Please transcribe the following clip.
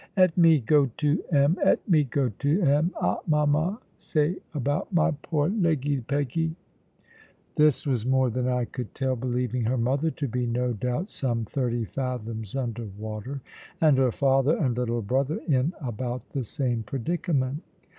"'Et me go to them, 'et me go to them. Hot ma say about my poor leggy peggy?" This was more than I could tell; believing her mother to be, no doubt, some thirty fathoms under water, and her father and little brother in about the same predicament.